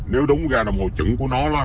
nếu đúng ra đồng hồ trứng của nó là